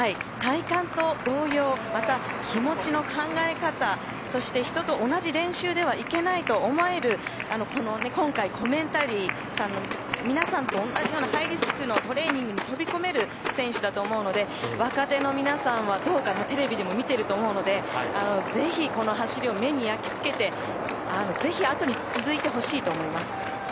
体幹と同様また、気持ちの考え方そして、人と同じ練習ではいけないと思える今回のコメンタリー皆さんと同じようなハイリスクのトレーニングに飛び込める選手だと思うので若手の皆さんはどうかテレビでも見てると思うのでぜひこの走りを目に焼き付けてぜひ後に続いてほしいと思います。